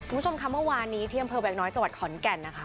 คุณผู้ชมค่ะเมื่อวานนี้ที่อำเภอแวงน้อยจังหวัดขอนแก่นนะคะ